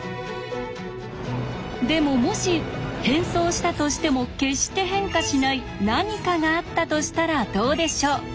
でももし変装したとしても決して変化しない何かがあったとしたらどうでしょう。